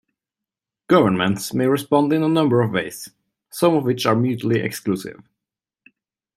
Governments may respond in a number of ways, some of which are mutually exclusive.